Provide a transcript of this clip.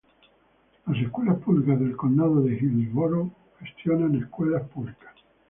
Las Escuelas Públicas del Condado de Hillsborough gestiona escuelas públicas.